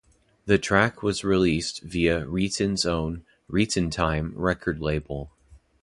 The track was released via Riton's own "Riton Time" record label.